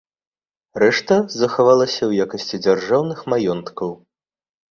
Рэшта захавалася ў якасці дзяржаўных маёнткаў.